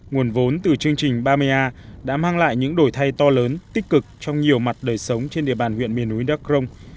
nguồn vốn từ chương trình ba mươi a đã mang lại những đổi thay to lớn tích cực trong nhiều mặt đời sống trên địa bàn huyện miền núi đắk rồng